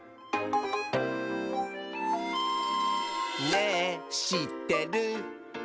「ねぇしってる？」